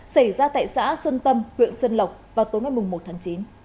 xảy ra tại xã xuân tâm huyện xuân lộc vào tối ngày một tháng chín